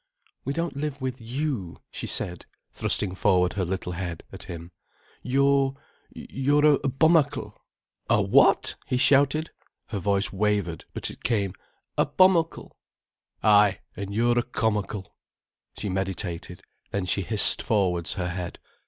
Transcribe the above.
"We don't live with you," she said, thrusting forward her little head at him. "You—you're—you're a bomakle." "A what?" he shouted. Her voice wavered—but it came. "A bomakle." "Ay, an' you're a comakle." She meditated. Then she hissed forwards her head.